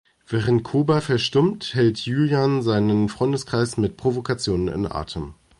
Während Kober verstummt, hält Julian seinen Freundeskreis mit Provokationen in Atem.